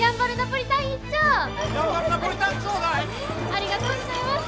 ありがとうございます。